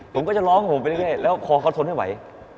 ผมก็จะร้องผมไปเรื่อยแล้วคอเขาทนไม่ไหว